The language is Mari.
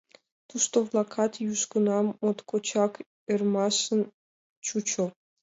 Тушто-влакат южгунам моткочак ӧрмашан чучыч.